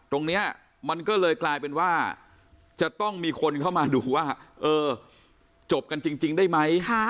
ตรงนี้มันก็เลยกลายเป็นว่าจะต้องมีคนเข้ามาดูว่าเออจบกันจริงได้ไหม